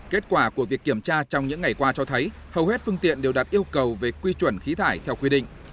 kết quả của việc kiểm tra trong những ngày qua cho thấy hầu hết phương tiện đều đặt yêu cầu về quy chuẩn khí thải theo quy định